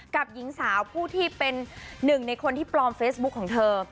หญิงสาวผู้ที่เป็นหนึ่งในคนที่ปลอมเฟซบุ๊คของเธอ